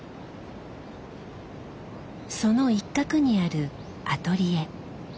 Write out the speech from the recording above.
その一角にあるアトリエ。